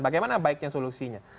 bagaimana baiknya solusinya